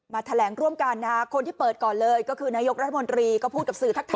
แถลงร่วมกันนะคนที่เปิดก่อนเลยก็คือนายกรัฐมนตรีก็พูดกับสื่อทักทา